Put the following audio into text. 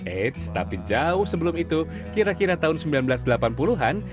eits tapi jauh sebelum itu kira kira tahun seribu sembilan ratus delapan puluh an